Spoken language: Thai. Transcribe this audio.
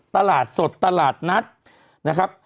ตลาดสดตลาดนัดนะครับ